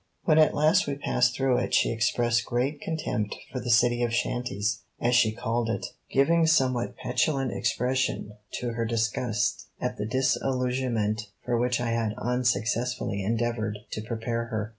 When at last we passed through it she expressed great contempt for the city of shanties, as she called it, giving somewhat petulant expression to her disgust at the disillusionment for which I had unsuccessfully endeavoured to prepare her.